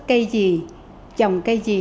cây gì trồng cây gì